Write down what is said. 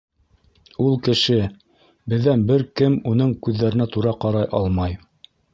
Ул — кеше, беҙҙән бер кем уның күҙҙәренә тура ҡарай алмай.